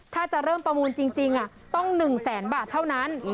ถ้าจะเริ่มประมูลจริงต้อง๑แสนบาทเท่านั้น